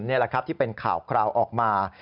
นี่แหละครับที่เป็นข่าวคราวออกมา